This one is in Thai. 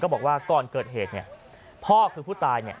บอกว่าก่อนเกิดเหตุเนี่ยพ่อคือผู้ตายเนี่ย